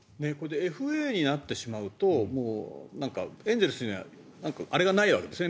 ＦＡになってしまうとエンゼルスにはあれがないわけですね